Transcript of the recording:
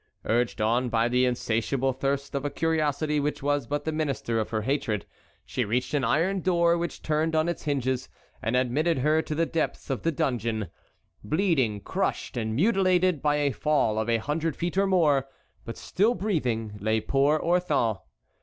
Urged on by the insatiable thirst of a curiosity which was but the minister of her hatred, she reached an iron door which turned on its hinges and admitted her to the depths of the dungeon. Bleeding, crushed, and mutilated by a fall of a hundred feet or more, but still breathing, lay poor Orthon.